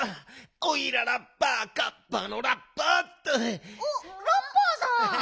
「おいらラッパーカッパのラッパー」おっラッパーさん。